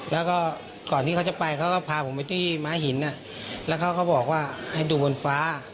แล้วก็ก่อนที่เขาจะไปเขาก็พาผมไปที่ม้าหินแล้วเขาก็บอกว่าให้ดูบนฟ้า